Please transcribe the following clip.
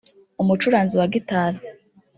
umucuranzi wa guitar